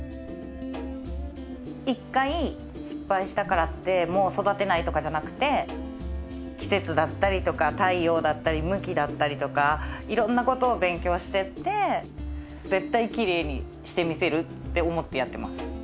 一回失敗したからってもう育てないとかじゃなくて季節だったりとか太陽だったり向きだったりとかいろんなことを勉強してって絶対きれいにしてみせるって思ってやってます。